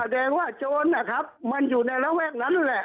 แสดงว่าโจรนะครับมันอยู่ในระแวกนั้นนั่นแหละ